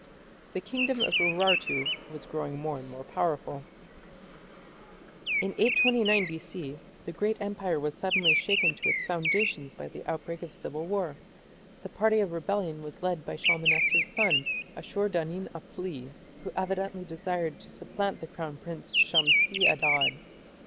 The kingdom of Urartu was growing more and more powerful. In 829 B.C. the great empire was suddenly shaken to its foundations by the outbreak of civil war. The party of rebellion was led by Shalmaneser's son Ashur danin apli, who evidently desired to supplant the crown prince Shamshi Adad.